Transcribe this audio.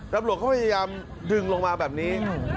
ตำรวจเขาพยายามดึงลงมาแบบนี้